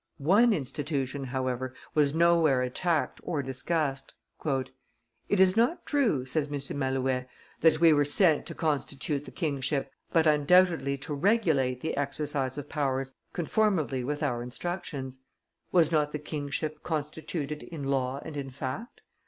One institution, however, was nowhere attacked or discussed. It is not true," says M. Malouet, "that we were sent to constitute the kingship, but undoubtedly to regulate the exercise of powers conformably with our instructions. Was not the kingship constituted in law and in fact?